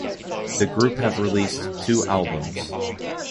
The group have released two albums.